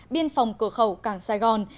biên phòng cửa khẩu cảng sài gòn